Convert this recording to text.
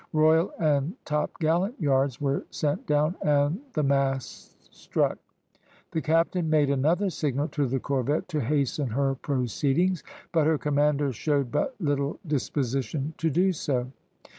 Royal and top gallant yards were sent down, and the masts struck. The captain made another signal to the corvette to hasten her proceedings, but her commander showed but little disposition to do so.